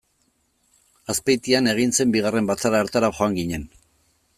Azpeitian egin zen bigarren batzar hartara joan ginen.